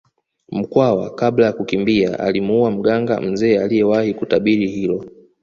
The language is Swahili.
Mkwawa kabla ya kukimbia alimuua mganga mzee aliyewahi kutabiri hilo